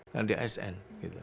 kan dia asn